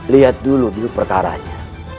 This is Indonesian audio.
lihat dulu dulu perkaranya